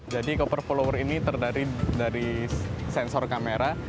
jadi koper follower ini terdiri dari sensor kamera